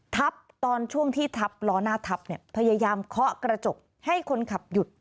ทับตอนช่วงที่ทับล้อหน้าทับเนี่ยพยายามเคาะกระจกให้คนขับหยุด